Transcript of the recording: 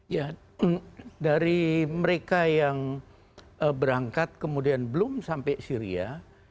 ya dari mereka yang berangkat kemudian belum sampai syria